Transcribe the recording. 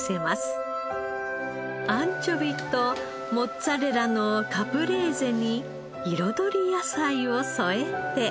アンチョビとモッツァレラのカプレーゼに彩り野菜を添えて。